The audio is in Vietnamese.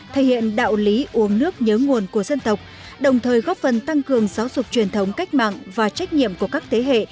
thể hiện đạo lý uống nước nhớ nguồn của dân tộc đồng thời góp phần tăng cường giáo dục truyền thống cách mạng và trách nhiệm của các thế hệ